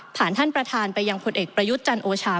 ท่านประธานไปยังผลเอกประยุทธ์จันโอชา